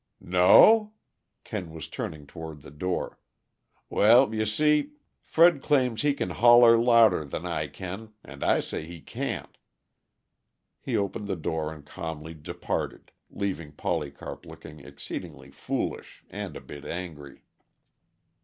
"No?" Kent was turning toward the door. "Well, you see, Fred claims he can holler louder than I can, and I say he can't." He opened the door and calmly departed, leaving Polycarp looking exceedingly foolish and a bit angry.